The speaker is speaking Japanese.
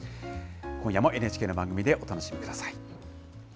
今夜もＮＨＫの番組でお楽しみく